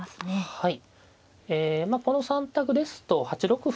はい。